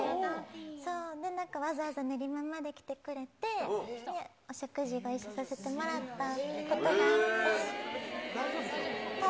そう、わざわざ練馬まで来てくれて、お食事ご一緒させてもらったことがあって。